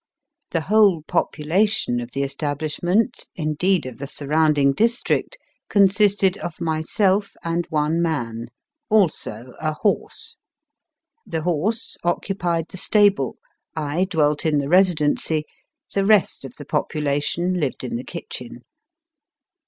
The whole population of the establishment indeed of the surrounding district consisted of myself and one man also a horse ! The horse occupied the stable, I dwelt in the Residency, the rest of the population lived in the kitchen.